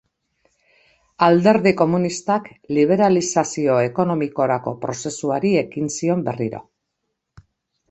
Alderdi Komunistak liberalizazio ekonomikorako prozesuari ekin zion berriro.